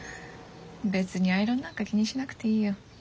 別にアイロンなんか気にしなくていいよ。